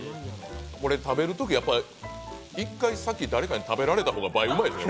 これ、食べるとき、１回、先誰かに食べられた方が倍うまいですよ。